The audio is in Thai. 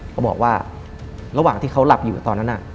เขาบอกว่าระหว่างที่เขาหลับอยู่ตอนนั้น